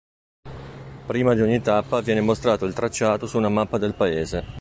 Prima di ogni tappa viene mostrato il tracciato su una mappa del Paese.